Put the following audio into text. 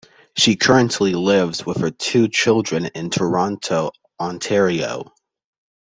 She currently lives with her two children in Toronto, Ontario.